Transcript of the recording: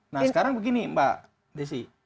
nah sekarang begini mbak desi